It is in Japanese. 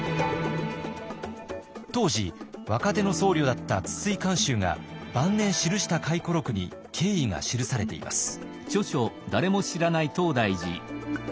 当時若手の僧侶だった筒井寛秀が晩年記した回顧録に経緯が記されています。